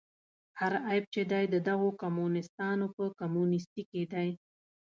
هر عیب چې دی د دغو کمونیستانو په کمونیستي کې دی.